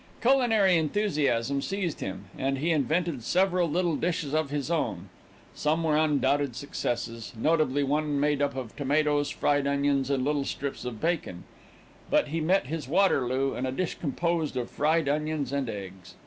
Culinary enthusiasm seized him, and he invented several little dishes of his own. Some were undoubted successes, notably one made up of tomatoes, fried onions and little strips of bacon; but he met his Waterloo in a dish composed of fried onions and eggs.